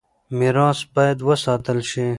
ميراث بايد وساتل شي.